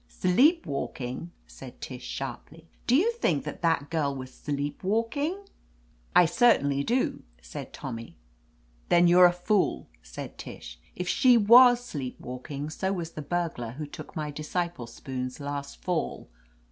"Sleep walking!'* said Tish sharply. "Do you think that that girl was sleep walking ?" "I certainly do," said Tommy. "Tht . youVe a fool/' said Tish. "If she was sleep walking, so was the burglar who took my disciple spoons last fall.